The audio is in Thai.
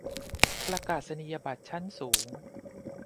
ประกาศนียบัตรชั้นสูง